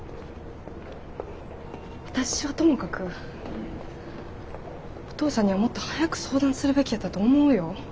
私はともかくお父さんにはもっと早く相談するべきやったと思うよ。